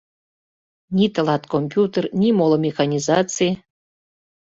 Ни тылат компьютер, ни моло механизаций.